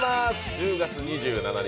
１０月２７日